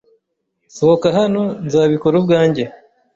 Sohoka hano! Nzabikora ubwanjye.